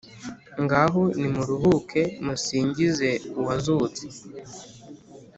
ngaho nimuruhuke, musingize uwazutse.